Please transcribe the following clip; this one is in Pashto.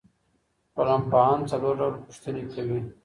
ټولنپوهان څلور ډوله پوښتنې کوي.